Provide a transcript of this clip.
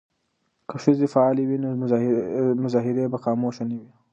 که ښځې فعالې وي نو مظاهرې به خاموشه نه وي.